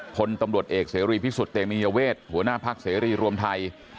พลตำรวจเอกเสรีพิสุทธิ์เตมียเวทหัวหน้าพักเสรีรวมไทย